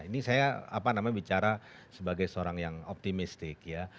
ini saya apa namanya bicara sebagai seorang yang optimistik ya